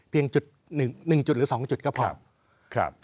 เพียงจุดหนึ่งหนึ่งจุดหรือสองจุดก็พอครับครับ